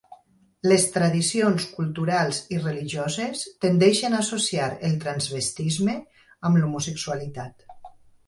Les tradicions culturals i religioses tendeixen a associar el transvestisme amb l'homosexualitat.